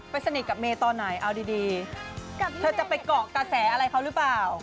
สนิทกับเมย์ตอนไหนเอาดีเธอจะไปเกาะกระแสอะไรเขาหรือเปล่า